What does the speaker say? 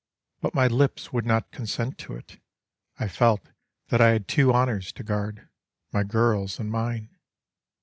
*' But my lips would not consent to it. I felt that I had two honours to guard, My girl's and mine.